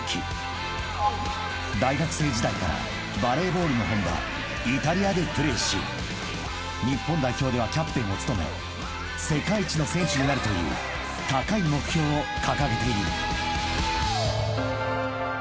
［大学生時代からバレーボールの本場イタリアでプレーし日本代表ではキャプテンを務め世界一の選手になるという高い目標を掲げている］